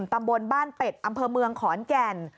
ตำบลบ้านเป็ดอำเภอเมืองขอนแก่น